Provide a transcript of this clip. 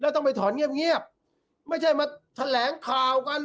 ต้องไปถอนเงียบไม่ใช่มาแถลงข่าวกัน